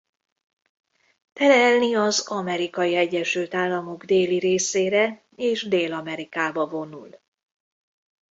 Telelni az Amerikai Egyesült Államok déli részére és Dél-Amerikába vonul.